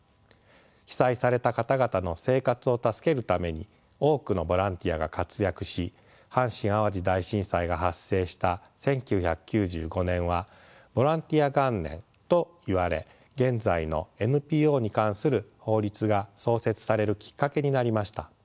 被災された方々の生活を助けるために多くのボランティアが活躍し阪神・淡路大震災が発生した１９９５年はボランティア元年といわれ現在のＮＰＯに関する法律が創設されるきっかけになりました。